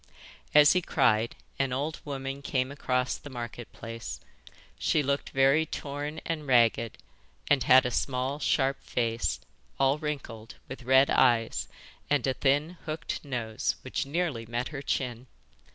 As he cried an old woman came across the Market Place. She looked very torn and ragged, and had a small sharp face, all wrinkled, with red eyes, and a thin hooked nose which nearly met her chin.